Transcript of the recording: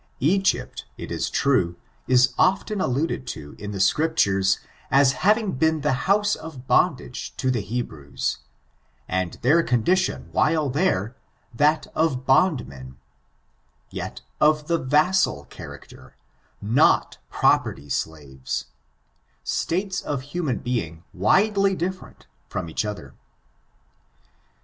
Egypt, it is true, is often alluded to in the Scriptures as having been the house of bondage I to the Hebrews, and their condition while there, I that of bondmen^ yet of the vassal character, not property slaves ; states of human being widely dif ferent from each other.